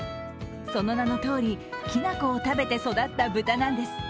その名のとおりきなこを食べて育った豚なんです。